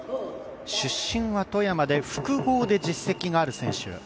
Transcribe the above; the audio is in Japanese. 出身は富山で複合で実績がある選手。